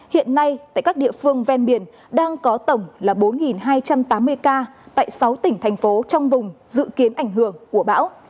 hiện nay tại các địa phương ven biển đang có tổng là bốn hai trăm tám mươi ca tại sáu tỉnh thành phố trong vùng dự kiến ảnh hưởng của bão